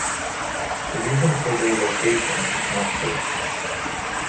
The reason for their location is not clear.